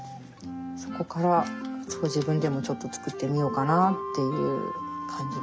そこから自分でもちょっと作ってみようかなという感じで。